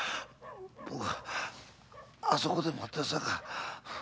僕はあそこで待ってるさか。